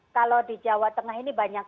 kalau di jawa tengah ini banyak